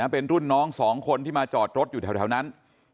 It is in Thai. เป็นรุ่นน้อง๒คนที่มาจอดรถอยู่แถวนั้น